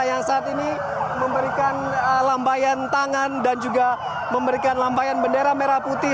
yang saat ini memberikan lambaian tangan dan juga memberikan lambaian bendera merah putih